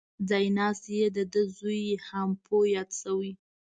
ځای ناست یې دده زوی هامپو یاد شوی.